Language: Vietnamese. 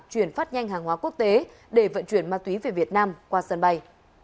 chuyển phát nhanh hàng hóa quốc tế để vận chuyển ma túy về việt nam qua sân bay